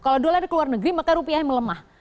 kalau dolar keluar negeri maka rupiah melemah